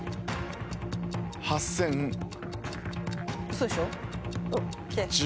嘘でしょ？